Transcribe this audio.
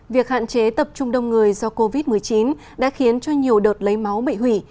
việc hạn chế tập trung đông người do covid một mươi chín đã khiến cho nhiều đợt lấy máu bị hủy